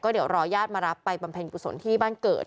เดี๋ยวรอญาติมารับไปบำเพ็ญกุศลที่บ้านเกิด